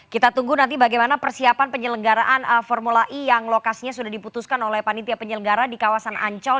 kita tunggu nanti bagaimana persiapan penyelenggaraan formula e yang lokasinya sudah diputuskan oleh panitia penyelenggara di kawasan ancol